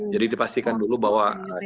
jadi dipastikan dulu bahwa check out